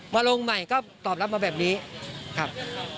มาลงใหม่ก็ตอบรับมาแบบนี้ครับ